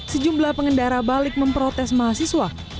sejumlah pengendara balik memprotes mahasiswa